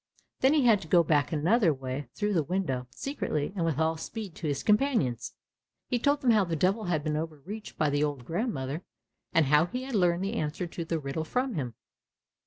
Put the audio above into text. Then he had to go back another way, through the window, secretly and with all speed to his companions. He told them how the Devil had been overreached by the old grandmother, and how he had learned the answer to the riddle from him.